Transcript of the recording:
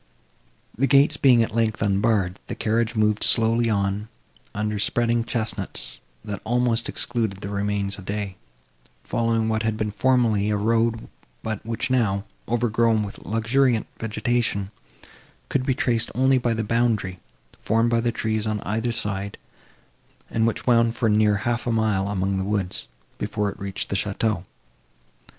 The gates being at length unbarred, the carriage moved slowly on, under spreading chesnuts, that almost excluded the remains of day, following what had been formerly a road, but which now, overgrown with luxuriant vegetation, could be traced only by the boundary, formed by trees, on either side, and which wound for near half a mile among the woods, before it reached the château.